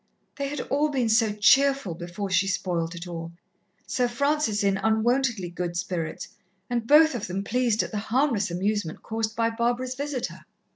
They had all been so cheerful before she spoilt it all, Sir Francis in unwontedly good spirits, and both of them pleased at the harmless amusement caused by Barbara's visitor.